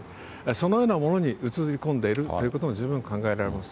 そのようなものに写りこんでいるということも十分考えられます。